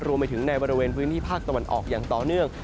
รวมไปถึงในบริเวณพื้นที่ภาคตะวันออกอย่างต่อเนื่อง